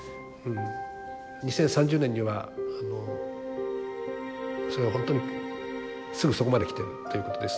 ２０３０年には本当にすぐそこまで来てるということです。